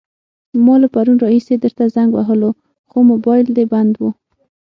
ما له پرون راهيسې درته زنګ وهلو، خو موبايل دې بند وو.